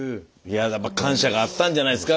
やっぱ感謝があったんじゃないですか。